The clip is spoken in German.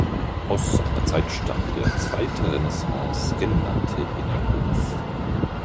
Aus seiner Zeit stammt der "Zweite Renaissance" genannte Innenhof.